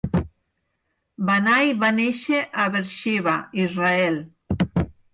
Banai va néixer a Beersheba, Israel.